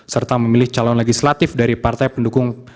serta memilih calon legislatif dari partai pendukung